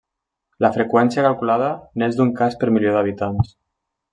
La freqüència calculada n'és d'un cas per milió d'habitants.